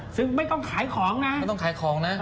ซึ่งไม่ต้องขายของนะ